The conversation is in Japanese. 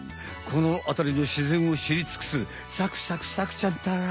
このあたりのしぜんをしりつくすサクサクサクちゃんったら。